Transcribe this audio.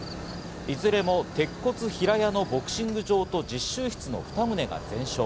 いずれも鉄骨平屋のボクシング場と実習室の２棟が全焼。